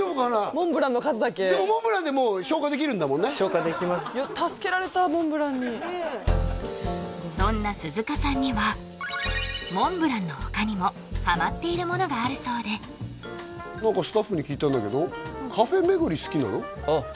モンブランの数だけでもモンブランでもう消化できるんだもんね消化できます助けられたモンブランにそんな鈴鹿さんにはモンブランの他にもハマっているものがあるそうで何かスタッフに聞いたんだけどあっ